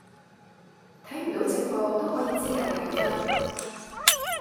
睇唔到直播都可以之後睇返。